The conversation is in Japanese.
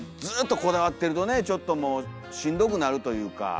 ずっとこだわってるとねちょっともうしんどくなるというか。